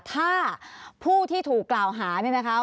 ถ้าผู้ที่ถูกกล่าวหาเนี่ยนะคะ